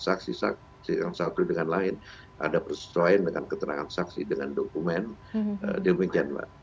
saksi saksi yang satu dengan lain ada persesuaian dengan keterangan saksi dengan dokumen demikian mbak